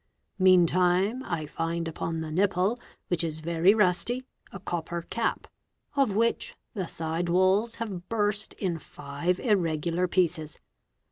Meantime I find upon the nipple, which "is very rusty, a copper cap, of which the side walls have burst in five irregular pieces.